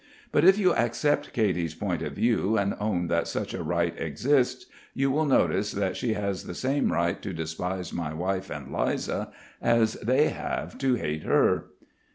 But if you accept Katy's point of view and own that such a right exists, you will notice that she has the same right to despise my wife and Liza as they have to hate her.